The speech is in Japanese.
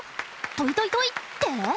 「トイトイトイ」って？